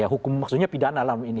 hukum maksudnya pidana